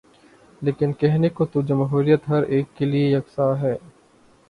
لیکن کہنے کو تو جمہوریت ہر ایک کیلئے یکساں ہے۔